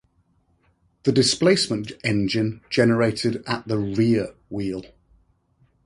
The displacement engine generated at the rear wheel.